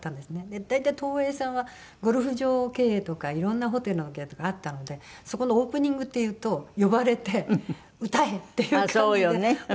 で大体東映さんはゴルフ場経営とかいろんなホテルの経営とかあったのでそこのオープニングっていうと呼ばれて歌え！っていう感じで歌わされたんですね。